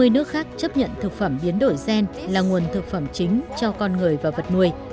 ba mươi nước khác chấp nhận thực phẩm biến đổi gen là nguồn thực phẩm chính cho con người và vật nuôi